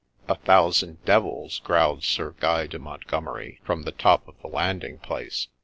' A thousand devils !' growled Sir Guy de Montgomeri, from the top of the landing place.